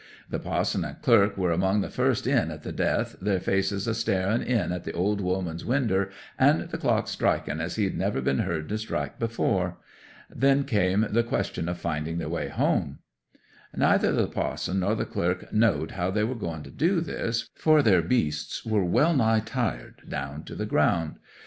The pa'son and clerk were among the first in at the death, their faces a staring in at the old woman's winder, and the clock striking as he'd never been heard to strik' before. Then came the question of finding their way home. 'Neither the pa'son nor the clerk knowed how they were going to do this, for their beasts were wellnigh tired down to the ground.